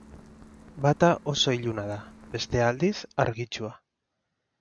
Bata oso iluna da, bestea aldiz, argitsua.